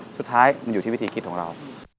สุดท้ายมันอยู่ที่วิธีคิดของเรา